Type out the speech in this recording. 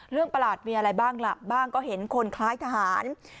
ประหลาดมีอะไรบ้างล่ะบ้างก็เห็นคนคล้ายทหาร